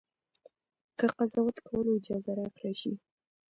که قضاوت کولو اجازه راکړه شي.